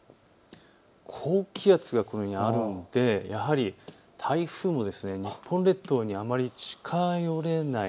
高気圧がこのようにあるのでやはり台風も日本列島にあまり近寄れない。